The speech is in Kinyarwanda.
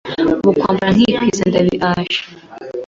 ubu kwambara nkikwiza ndabiasha